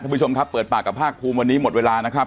ผู้ชมครับเปิดปากกับภาคภูมิวันนี้หมดเวลานะครับ